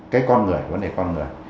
cái con người vấn đề con người